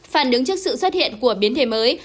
phản ứng trước sự xuất hiện của biến thể mới